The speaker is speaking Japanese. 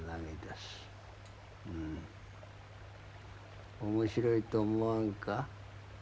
ん面白いと思わんか？